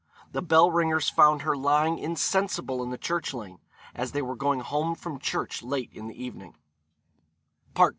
The bell ringers found her lying insensible in the church lane, as they were going home from church late in the evening.